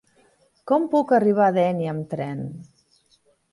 Com puc arribar a Dénia amb tren?